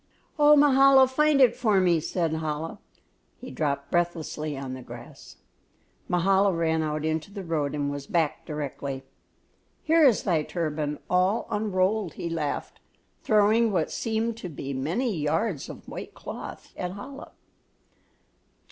"Oh, Mahala, find it for me," said Chola, as he dropped breathless on the grass. Mahala ran out into the road and was back directly. "Here is thy turban all unrolled," he laughed, throwing what seemed to be many yards of white cloth at Chola.